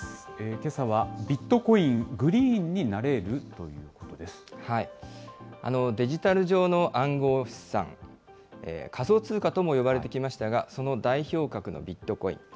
けさは、ビットコイン、グリーンデジタル上の暗号資産、仮想通貨とも呼ばれてきましたが、その代表格のビットコイン。